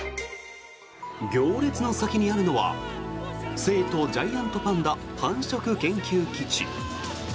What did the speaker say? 行列の先にあるのは成都ジャイアントパンダ繁殖研究基地。